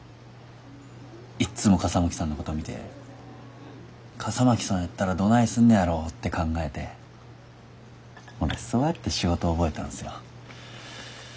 いっつも笠巻さんのこと見て笠巻さんやったらどないすんねやろて考えて俺そうやって仕事覚えたんすよ。